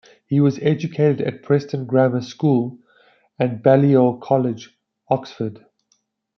He was educated at Preston Grammar School and Balliol College, Oxford.